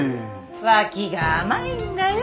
脇が甘いんだよ